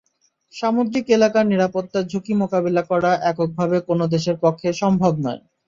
সামুদ্রিক এলাকার নিরাপত্তার ঝুঁকি মোকাবিলা করা এককভাবে কোনো দেশের পক্ষে সম্ভব নয়।